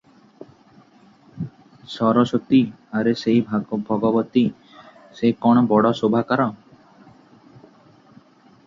ସରସ୍ୱତୀ - ଆରେ ସେଇ ଭଗବତୀ - ସେ କଣ ବଡ଼ ଶୋଭାକାର?